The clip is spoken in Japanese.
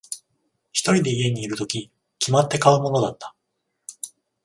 一人で家にいるとき、決まって買うものだった。